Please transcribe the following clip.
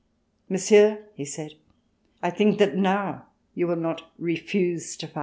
"Monsieur," he said, "I think that now you will not refuse to fight!"